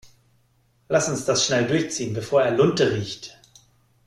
Lass uns das schnell durchziehen, bevor er Lunte riecht.